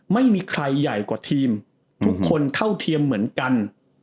ไม่มีใครใหญ่กว่าทีมทุกคนเท่าเทียมเหมือนกัน